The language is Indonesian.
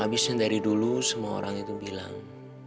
habisnya dari dulu semua orang itu bilang